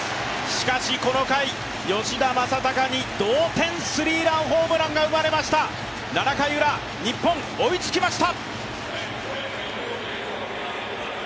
しかしこの回、吉田正尚に同点スリーランホームランが生まれました７回ウラ、日本、追いつきました！